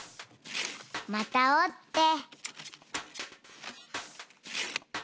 またおって。